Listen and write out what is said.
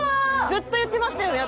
ずっと言ってましたよね